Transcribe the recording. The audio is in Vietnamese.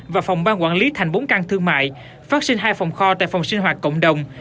và phòng ban quản lý thành bốn căn thương mại phát sinh hai phòng kho tại phòng sinh hoạt cộng đồng